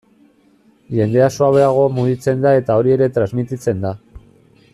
Jendea suabeago mugitzen da eta hori ere transmititzen da.